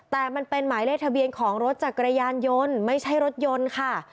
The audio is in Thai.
แต่มันเป็นหมายเลขทะเบียนของรถจักรยานยนต์ไม่ใช่รถยนต์ค่ะ